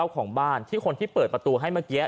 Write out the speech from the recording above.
เป็นพ่อของเจ้าของบ้านที่คนที่เปิดประตูให้เมื่อกี้